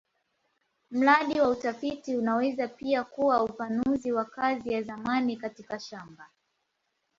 Mradi wa utafiti unaweza pia kuwa upanuzi wa kazi ya zamani katika shamba.